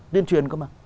tiên truyền cơ mà